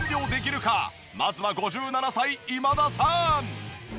まずは５７歳今田さん。